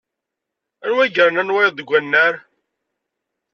Anwa i yernan wayeḍ deg annar?